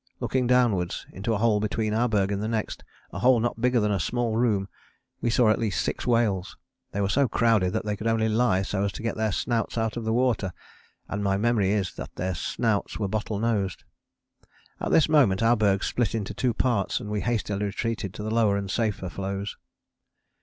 Looking downwards into a hole between our berg and the next, a hole not bigger than a small room, we saw at least six whales. They were so crowded that they could only lie so as to get their snouts out of the water, and my memory is that their snouts were bottle nosed. At this moment our berg split into two parts and we hastily retreated to the lower and safer floes.